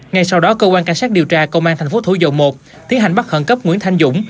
ngay sau đó cơ quan cảnh sát điều tra công an tp thủ dầu một tiến hành bắt khẩn cấp nguyễn thanh dũng